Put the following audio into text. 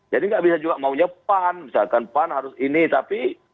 jadi gak bisa juga maunya pan misalkan pan harus ini tapi